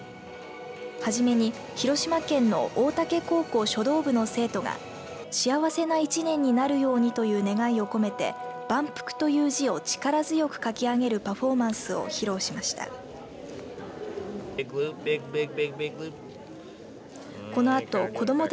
はじめに広島県の大竹高校書道部の生徒が幸せな１年になるようにという願いを込めて万福という字を力強く書き上げるパフォーマンスを披露しました。